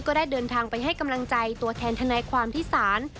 ก็ได้เดินทางไปให้กำลังใจตัวแทนทนายความที่ศาล